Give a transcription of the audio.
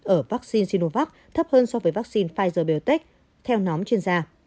ở vaccine sinovac thấp hơn so với vaccine pfizer biontech theo nóng chuyên gia